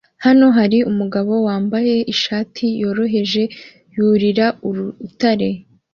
Hano hari umugabo wambaye ishati yoroheje yurira urutare